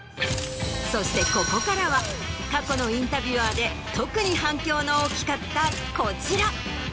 そしてここからは過去のインタビュアーで特に反響の大きかったこちら。